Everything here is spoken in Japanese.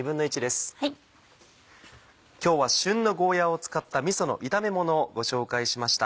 今日は旬のゴーヤを使ったみその炒めものをご紹介しました。